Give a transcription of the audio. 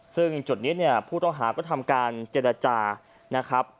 ซึ่งจุดนี้เนี่ยผู้ต้องหาก็ทำการเจรจานะครับ